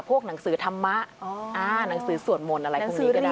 หนังสือธรรมะหนังสือสวดมนต์อะไรพวกนี้ก็ได้